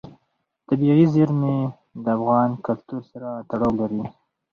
طبیعي زیرمې د افغان کلتور سره تړاو لري.